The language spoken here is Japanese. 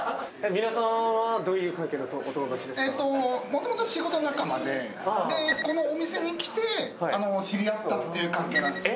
元々仕事仲間でこのお店に来て知り合ったっていう関係なんです。